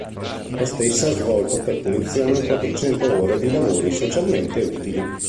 La stessa ha svolto per punizione quattrocento ore di lavori socialmente utili.